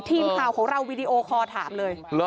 ทีมข่าวของเราวีดีโอคอลถามเลย